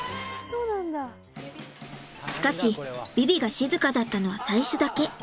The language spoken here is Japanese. しかしヴィヴィが静かだったのは最初だけ。